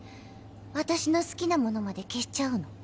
私の好きなものまで消しちゃうの？